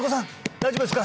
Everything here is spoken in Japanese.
大丈夫ですか？